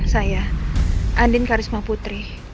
saya andiin karisma putri